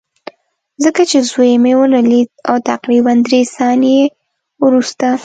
ځکه چې زوی مې ونه لید او تقریبا درې ثانیې وروسته